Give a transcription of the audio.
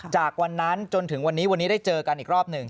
จากวันนั้นจนถึงวันนี้วันนี้ได้เจอกันอีกรอบหนึ่ง